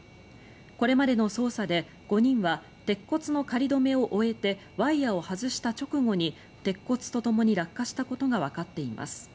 これまでの捜査で５人は鉄骨の仮止めを終えてワイヤを外した直後に鉄骨とともに落下したことがわかっています。